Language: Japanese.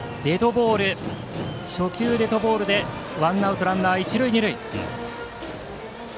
初球デッドボールでワンアウトランナー、一塁二塁。